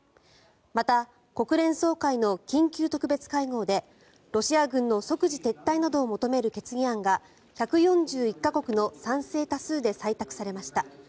また、国連総会の緊急特別会合でロシア軍の即時撤退などを求める決議案が１４１か国の賛成多数で採択されました。